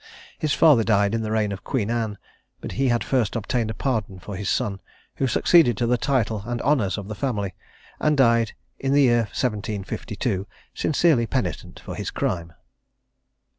His father died in the reign of Queen Anne, but he had first obtained a pardon for his son, who succeeded to the title and honours of the family, and died in the year 1752, sincerely penitent for his crime.